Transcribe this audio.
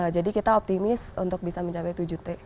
jadi kita optimis untuk bisa mencapai tujuh triliun